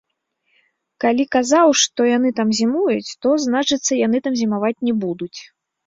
Калі казаў, што яны там зімуюць, то, значыцца, яны там зімаваць не будуць.